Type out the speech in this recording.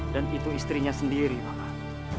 dan itu istrinya sendiri paman